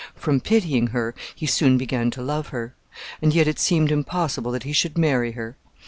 From pitying her he soon began to love her. And yet it seemed impossible that he should marry her.